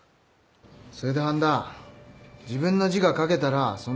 それで半田自分の字が書けたらそんときは。